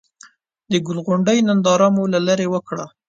د ګل غونډۍ ننداره مو له ليرې وکړه.